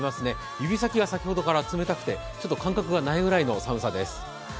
指先が先ほどから冷たくて、ちょっと感覚がないぐらいの寒さです。